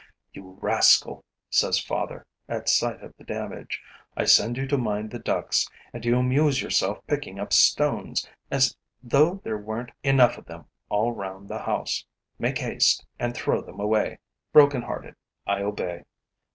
"You rascal!" says father, at sight of the damage. "I send you to mind the ducks and you amuse yourself picking up stones, as though there weren't enough of them all round the house! Make haste and throw them away!" Broken hearted, I obey.